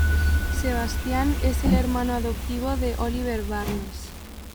Sebastian es el hermano adoptivo de Oliver Barnes.